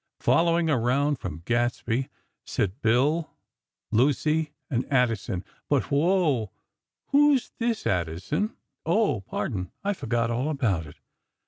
Following around from Gadsby, sit Bill, Lucy and Addison. But whoa! Who's this Addison? Oh, pardon; I forgot all about it.